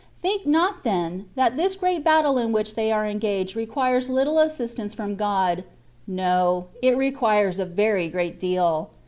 Think not, then, that this great battle in which they are engaged requires little assistance from God : no, it requires a very great deal.